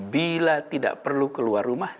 bila tidak perlu keluar rumah